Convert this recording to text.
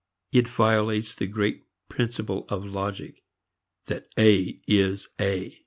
It violates the great principle of logic that A is A.